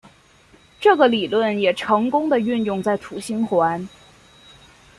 这个理论也成功的运用在土星环。